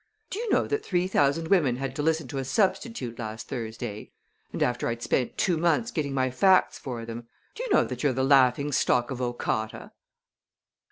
Do you know that three thousand women had to listen to a substitute last Thursday? and after I'd spent two months getting my facts for them! Do you know that you're the laughing stock of Okata?"